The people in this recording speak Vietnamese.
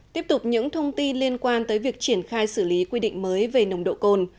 tiếp tục những thông tin liên quan tới việc triển khai xử lý quy định mới về nồng độ cồn